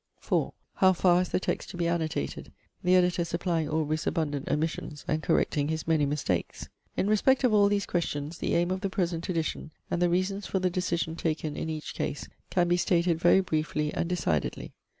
4. How far is the text to be annotated, the editor supplying Aubrey's abundant omissions, and correcting his many mistakes? In respect of all these questions, the aim of the present edition, and the reasons for the decision taken in each case, can be stated very briefly and decidedly.